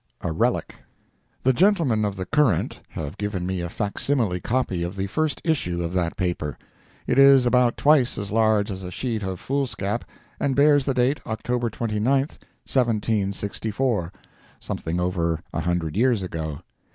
A Relic. The gentlemen of the Courant have given me a facsimile copy of the first issue of that paper. It is about twice as large as a sheet of foolscap, and bears date October 29, 1764—something over a hundred years ago.